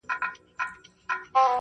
ماتول یې ښکلي لوښي او چاینکي-